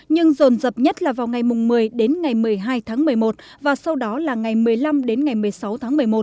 nhưng rồn rập nhất là vào ngày một mươi đến ngày một mươi hai tháng một mươi một và sau đó là ngày một mươi năm đến ngày một mươi sáu tháng một mươi một